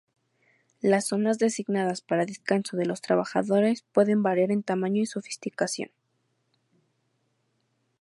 Las zonas designadas para descanso de los trabajadores pueden variar en tamaño y sofisticación.